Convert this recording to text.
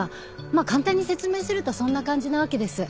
まあ簡単に説明するとそんな感じなわけです。